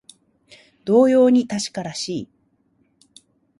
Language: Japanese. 同様に確からしい